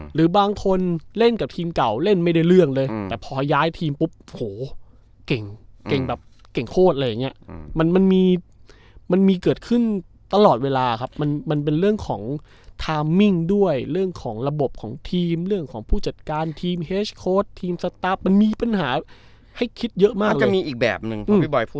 หรือบางคนเล่นกับทีมเก่าเล่นไม่ได้เรื่องเลยแต่พอย้ายทีมปุ๊บโหเก่งเก่งแบบเก่งโคตรอะไรอย่างเงี้ยมันมันมีมันมีเกิดขึ้นตลอดเวลาครับมันมันเป็นเรื่องของทามมิ่งด้วยเรื่องของระบบของทีมเรื่องของผู้จัดการทีมเฮสโค้ดทีมสตาร์ฟมันมีปัญหาให้คิดเยอะมากก็มีอีกแบบหนึ่ง